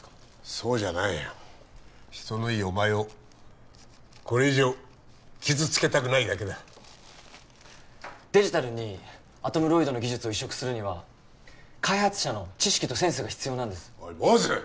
そうじゃないよ人のいいお前をこれ以上傷つけたくないだけだデジタルにアトムロイドの技術を移植するには開発者の知識とセンスが必要なんですおい坊主！